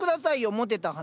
もてた話。